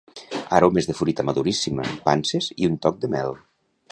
Aromes de fruita maduríssima, panses i un toc de mel.